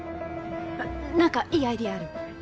何かいいアイデアある？